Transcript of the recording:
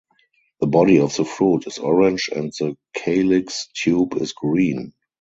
The body of the fruit is orange and the calyx tube is green.